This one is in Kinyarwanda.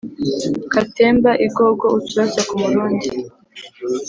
Katemba igogo-Uturaso ku murundi.